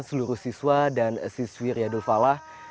seluruh siswa dan siswi riyadul falah